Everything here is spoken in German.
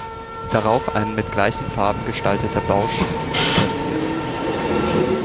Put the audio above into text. Darauf ein mit gleichen Farben gestalteter Bausch verziert.